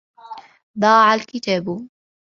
ضَاعَ الْكِتَابُ.